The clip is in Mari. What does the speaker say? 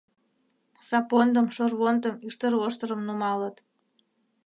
Сапондым, шорвондым, ӱштервоштырым нумалыт.